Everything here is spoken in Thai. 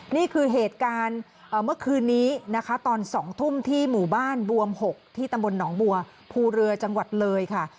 นี่คือเหตุการณ์เมื่อคืนนี้นะคะตอน๒ทุ่มที่หมู่บ้านบวม๖ที่ตำบลหนองบัวภูเรือจังหวัดเลยค่ะ